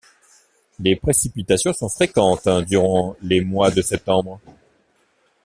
Les précipitations sont fréquentes durant les mois de Septembre.